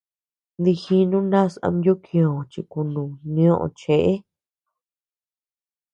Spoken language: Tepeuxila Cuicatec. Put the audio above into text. Dijínu ndás ama yukñò chi kunù nioʼö cheʼe.